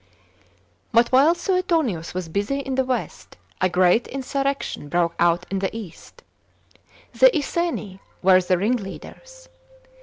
§ 11. But while Suetonius was busy in the west, a great insurrection broke out in the east. The Iceni were the ringleaders.